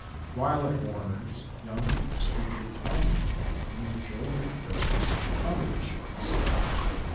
While at Warners Young was featured prominently in the Joe McDoakes comedy shorts.